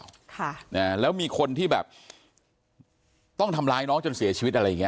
ค่ะนะแล้วมีคนที่แบบต้องทำร้ายน้องจนเสียชีวิตอะไรอย่างเง